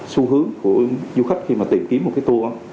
xu hướng của du khách khi mà tìm kiếm một cái tour